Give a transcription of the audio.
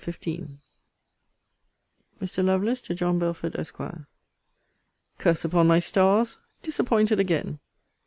LETTER XV MR. LOVELACE, TO JOHN BELFORD, ESQ. Curse upon my stars! Disappointed again!